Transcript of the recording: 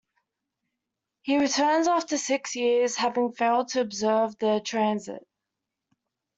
He returns after six years, having failed to observe the transit.